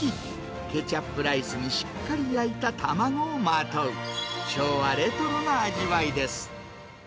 ケチャップライスにしっかり焼いた卵をまとう、昭和レトロな味わいです。